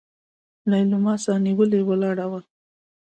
ليلما سانيولې ولاړه وه.